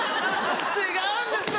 違うんです